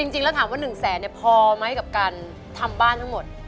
จริงแล้วถามว่า๑แสนพอไหมกับการทำบ้านทั้งหมด